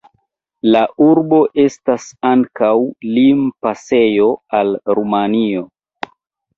La urbo estas ankaŭ limpasejo al Rumanio.